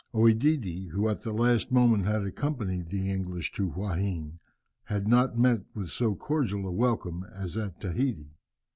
OEdidi, who at the last moment had accompanied the English to Huaheine, had not met with so cordial a welcome as at Tahiti.